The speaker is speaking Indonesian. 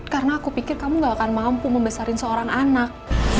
karena aku pikir kamu gak akan mampu membesarin seorang anak